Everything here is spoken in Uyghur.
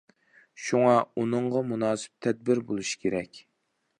شۇڭا، ئۇنىڭغا مۇناسىپ تەدبىر بولۇشى كېرەك.